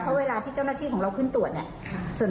หรือว่าผู้ชายลักษณะนี้อะไรแบบนี้ค่ะ